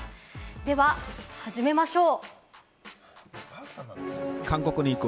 では始めましょう！